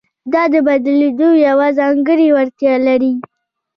دا د بدلېدو یوه ځانګړې وړتیا لري.